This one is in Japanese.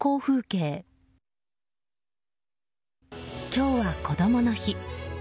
今日は、こどもの日。